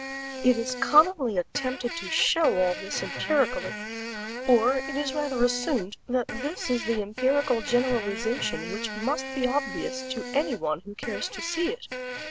It is commonly attempted to show all this empirically or it is rather assumed that this is the empirical generalization which must be obvious to any one who cares to see it.